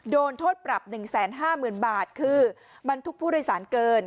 โดนโทษปรับ๑๕๐๐๐บาทคือบรรทุกผู้โดยสารเกิน